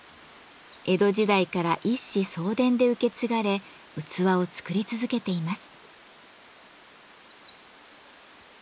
江戸時代から一子相伝で受け継がれ器を作り続けています。